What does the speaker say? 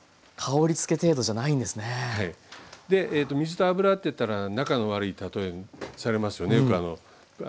で水と油っていったら仲の悪い例えされますよねよく。